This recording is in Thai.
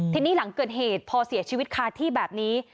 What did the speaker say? ทีนี้หลังเกิดเหตุพอเสียชีวิตคาที่แบบนี้